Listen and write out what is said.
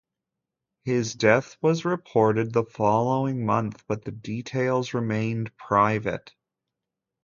His death was reported the following month, but the details remained private.